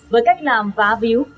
với cách làm vá víu